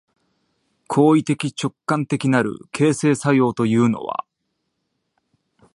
行為的直観的なる形成作用というのは、